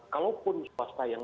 kalaupun swasta yang